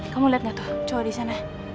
kamu liat gak tuh cowok disana